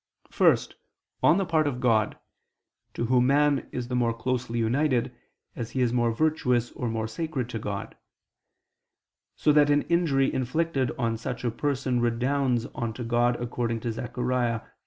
First, on the part of God, to Whom man is the more closely united, as he is more virtuous or more sacred to God: so that an injury inflicted on such a person redounds on to God according to Zech.